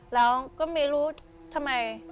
แล้วก็ไม่รู้ทำไม